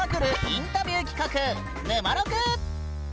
インタビュー企画「ぬまろく」！